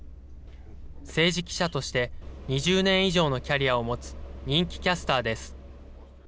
政治記者として２０年以上のキャリアを持つ人気キャスターです。